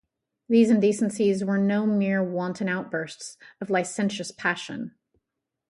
These indecencies were no mere wanton outbursts of licentious passion.